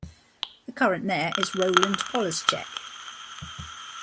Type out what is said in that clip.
The current mayor is Roland Polaschek.